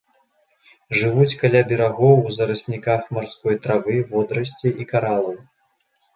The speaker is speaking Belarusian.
Жывуць каля берагоў у зарасніках марской травы, водарасцей і каралаў.